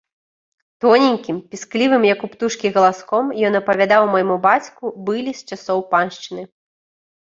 Тоненькім, пісклівым, як у птушкі, галаском ён апавядаў майму бацьку былі з часоў паншчыны.